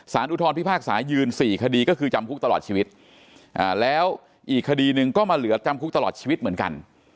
อุทธรพิพากษายืน๔คดีก็คือจำคุกตลอดชีวิตแล้วอีกคดีหนึ่งก็มาเหลือจำคุกตลอดชีวิตเหมือนกัน